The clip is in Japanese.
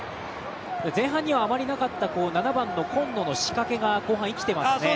前半にはあまりなかった７番の今野の仕掛けが後半、生きてますね。